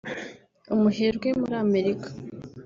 umuherwe muri Amerika